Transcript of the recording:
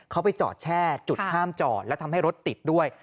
เขาไปจอดแช่จุดห้ามจอดและทำให้รถติดด้วย